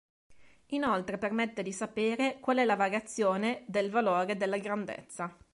Inoltre permette di sapere qual è la variazione del valore della grandezza.